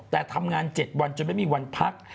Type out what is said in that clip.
แต่ทำงาน๗วันจนไม่มีวันพัก